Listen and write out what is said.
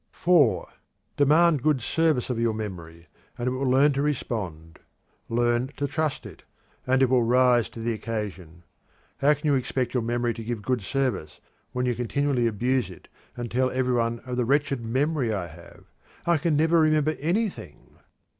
(4) Demand good service of your memory, and it will learn to respond. Learn to trust it, and it will rise to the occasion. How can you expect your memory to give good service when you continually abuse it and tell every one of "the wretched memory I have; I can never remember anything"?